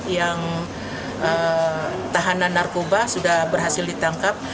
yang tahanan narkoba sudah berhasil ditangkap